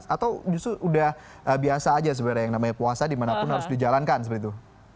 atau justru sudah biasa aja sebenarnya yang namanya puasa dimanapun harus dijalankan seperti itu